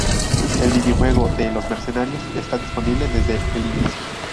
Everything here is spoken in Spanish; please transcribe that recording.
El minijuego de "Los mercenarios" está disponible desde el inicio.